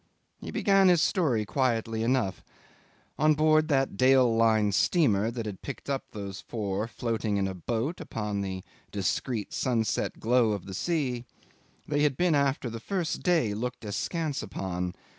He began his story quietly enough. On board that Dale Line steamer that had picked up these four floating in a boat upon the discreet sunset glow of the sea, they had been after the first day looked askance upon.